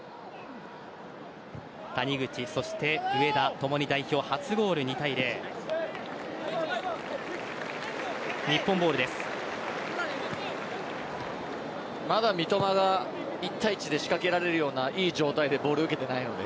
谷口、上田共に代表初ゴール２対０．まだ三笘が一対一で仕掛けられるような良い状態でボールを受けていないので。